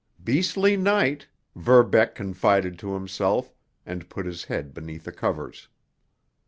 "Beastly night!" Verbeck confided to himself, and put his head beneath the covers.